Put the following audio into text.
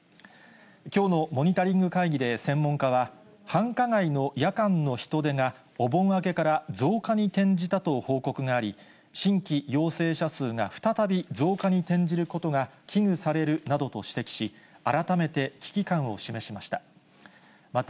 きょうのモニタリング会議で専門家は、繁華街の夜間の人出がお盆明けから増加に転じたと報告があり、新規陽性者数が再び増加に転じることが危惧されるなどと指摘し、改めて危機感を示しました。